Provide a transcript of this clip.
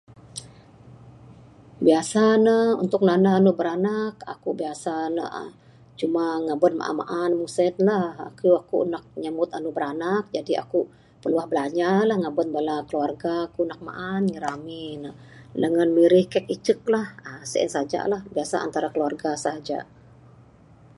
Biasa ne untuk nanda anu biranak biasa ne cuma ngaban maan maan meng sien lah kayuh aku nak nyambut anu biranak Jadi aku piluah blanja la ngaban bala keluarga ku nak maan ngirami ne. Dangan nak mirih kek icek icek lah sien saja lah dangan antara keluarga saja.